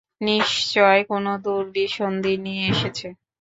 নিশ্চয় কোন দূরভিসন্ধি নিয়ে এসেছে।